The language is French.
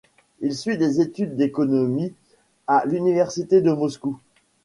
Il suit des études d'économie à l'université de Moscou.